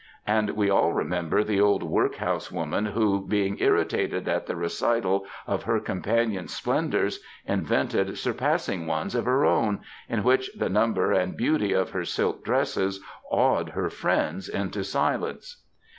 And we all remember the old workhouse woman who, being irritated at the recital of her companions^ splendours, invented surpassing ones of her own, in which the number and beauty of her silk dresses awed her firiends into silence.